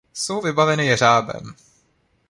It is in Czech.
Jsou vybaveny jeřábem.